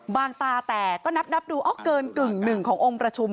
ตาแต่ก็นับดูเอาเกินกึ่งหนึ่งขององค์ประชุม